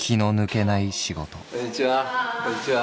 こんにちは。